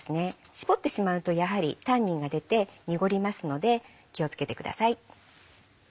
絞ってしまうとやはりタンニンが出て濁りますので気を付けてください。